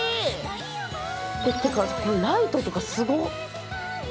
ライトとかすごっ！